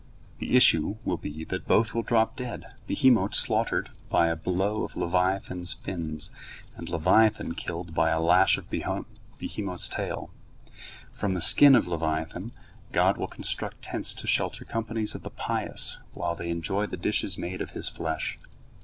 The issue will be that both will drop dead, behemot slaughtered by a blow of leviathan's fins, and leviathan killed by a lash of behemot's tail. From the skin of leviathan God will construct tents to shelter companies of the pious while they enjoy the dishes made of his flesh.